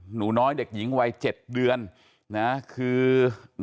หนูน้อยเด็กหญิงวัย๗เดือน